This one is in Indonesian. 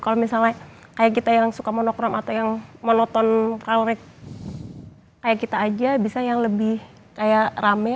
kalau misalnya kayak kita yang suka monokram atau yang monoton trave kayak kita aja bisa yang lebih kayak rame